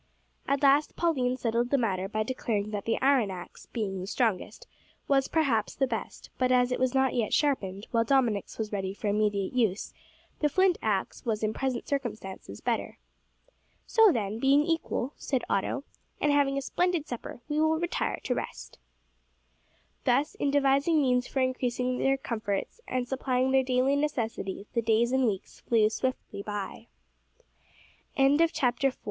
At last Pauline settled the matter by declaring that the iron axe, being the strongest, was, perhaps, the best; but as it was not yet sharpened, while Dominick's was ready for immediate use, the flint axe was in present circumstances better. "So then, being equal," said Otto, "and having had a splendid supper, we will retire to rest." Thus, in devising means for increasing their comforts, and supplying their daily necessities, the days and weeks flew swiftly by. CHAPTER FIV